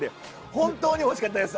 本当においしかったです。